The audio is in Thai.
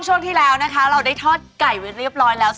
ช่วงที่แล้วนะคะเราได้ทอดไก่ไว้เรียบร้อยแล้ว